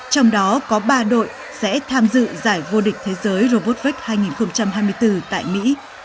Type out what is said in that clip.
trong đó có ba đội sẽ tham dự giải vô địch thế giới robotvec hai nghìn hai mươi bốn tại mỹ